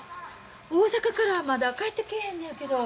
大阪からまだ帰ってけえへんのやけど。